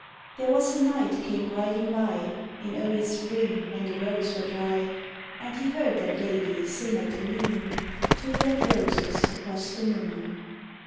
_ There was a knight came riding by In early spring, when the roads were dry; And he heard that lady sing at the noon, _Two red roses across the moon.